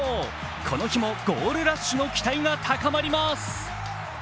この日もゴールラッシュの期待が高まります。